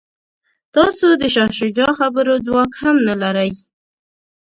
تاسو د شاه شجاع خبرو ځواک هم نه لرئ.